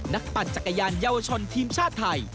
ปั่นจักรยานเยาวชนทีมชาติไทย